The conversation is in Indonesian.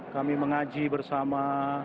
kami mengaji bersama